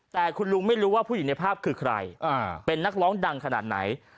แต่คุณลุงไม่รู้ว่าผู้หญิงในภาพคือใครเป็นนักร้องดังขนาดไหน